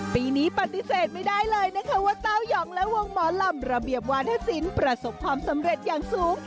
ปีนี้ปฏิเสธไม่ได้เลยนะคะว่าเต้ายองและวงหมอลำระเบียบวาธศิลป์ประสบความสำเร็จอย่างสูง